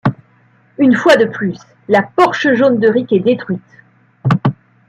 Une fois de plus, la Porsche jaune de Ric est détruite.